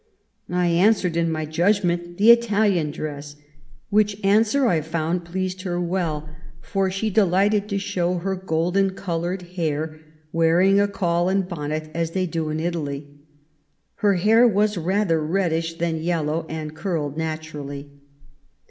I answered, in my judgment, the Italian dress; which answer, I found, pleased her well, for she delighted to show her golden coloured hair, wearing a caul and bonnet, as they do in Italy. Her hair was rather reddish than yellow, and curled naturally."